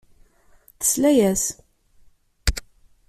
Tesla-as.